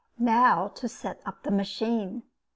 Now to set up the machine.